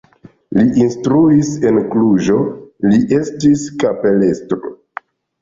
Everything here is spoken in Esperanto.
Li instruis en Kluĵo, li estis kapelestro.